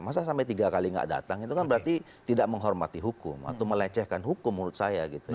masa sampai tiga kali gak datang itu kan berarti tidak menghormati hukum atau melecehkan hukum menurut saya gitu